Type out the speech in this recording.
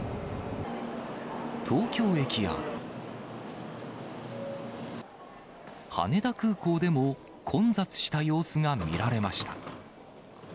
東京駅や、羽田空港でも混雑した様子が見られました。